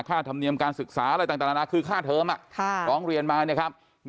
ค่าธรรมเนียมการศึกษาอะไรต่างนั้นคือค่าเทิมร้องเรียนมา